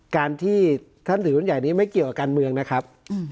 การที่ท่านถือหุ้นใหญ่นี้ไม่เกี่ยวกับการเมืองนะครับ